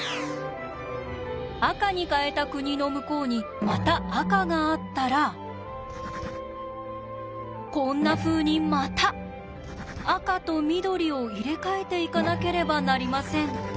赤に変えた国の向こうにまた赤があったらこんなふうにまた赤と緑を入れ替えていかなければなりません。